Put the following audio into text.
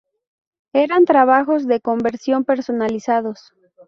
Eran trabajos de conversión personalizados.